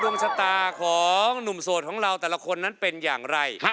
ดวงชะตาของหนุ่มโสดของเราแต่ละคนนั้นเป็นอย่างไร